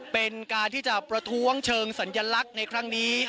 เป็นการที่จะประท้วงเชิงสัญญลักษณ์ในครั้งนี้ในครั้งนี้